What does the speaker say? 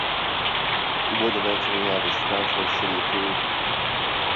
He would eventually have his transfer to City approved.